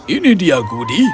ini dia gudi